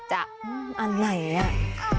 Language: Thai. อืมอะไรอ่ะ